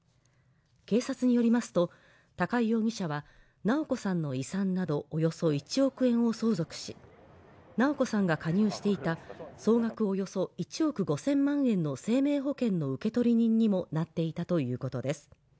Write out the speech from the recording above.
警察によりますと、高井容疑者は直子さんの遺産などおよそ１億円を相続し直子さんが加入していた総額およそ１億５０００万円の生命保険の受取人にもなっていたということです。